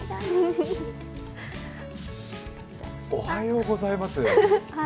おはようございます。